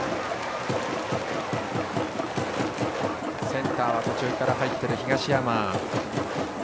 センターは途中から入っている東山。